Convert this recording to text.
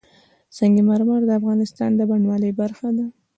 سنگ مرمر د افغانستان د بڼوالۍ برخه ده.